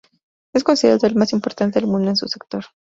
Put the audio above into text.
Es considerado el más importante del mundo en su sector.